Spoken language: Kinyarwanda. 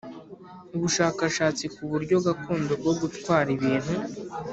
ubushakashatsi ku buryo gakondo bwo gutwara ibintu